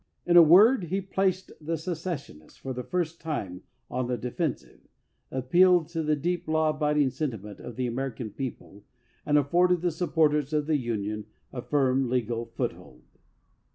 In a word, he placed the secession ists for the first time on the defensive, appealed to the deep law abiding sentiment of the American people, and afforded the supporters of the Union a firm, legal foothold.